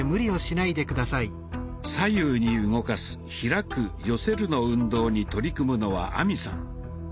左右に動かす「開く・寄せる」の運動に取り組むのは亜美さん。